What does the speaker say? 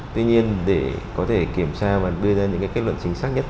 tuy nhiên để có thể kiểm tra và đưa ra những kết luận chính xác nhất